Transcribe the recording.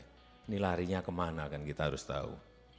ini larinya kemana kan kita harus tahu